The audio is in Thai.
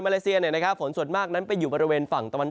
เลเซียฝนส่วนมากนั้นไปอยู่บริเวณฝั่งตะวัน